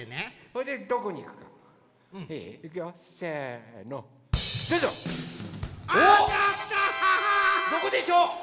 どこでしょう？